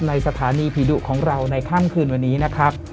สถานีผีดุของเราในค่ำคืนวันนี้นะครับ